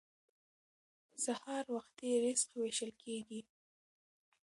سهار وختي رزق ویشل کیږي.